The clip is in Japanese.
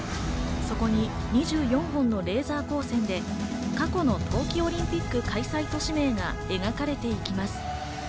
そこに２４本のレーザー光線で過去の冬季オリンピック開催都市名が描かれていきます。